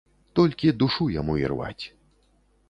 Толькі душу яму ірваць.